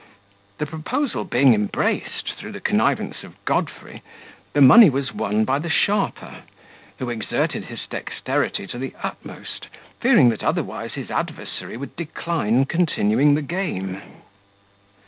The proposal being embraced, through the connivance of Godfrey, the money was won by the sharper, who exerted his dexterity to the utmost, fearing that otherwise his adversary would decline continuing the game.